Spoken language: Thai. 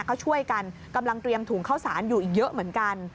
ก็ช่วยกันกำลังเตรียมถุงข้าวสารอยู่อีกเยอะเหมือนกัน